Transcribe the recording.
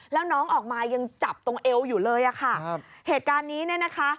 แล้วน้องออกมายังจับตรงเอวอยู่เลยอ่ะค่ะครับเหตุการณ์นี้เนี่ยนะคะ